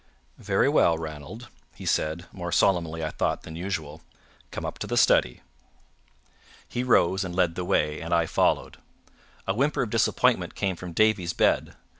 "Very well, Ranald," he said, more solemnly, I thought, than usual; "come up to the study." He rose and led the way, and I followed. A whimper of disappointment came from Davie's bed.